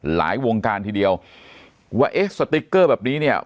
หลายวงการทีเดียวว่าสติกเกอร์แบบนี้เนี่ย